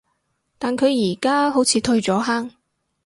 但佢而家好似退咗坑